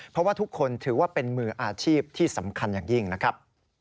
เพราะว่าทุกคนถือว่าเป็นมืออาชีพที่สำคัญอย่างยิ่งนะครับ